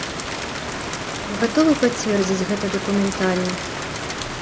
Вы гатовы пацвердзіць гэта дакументальна?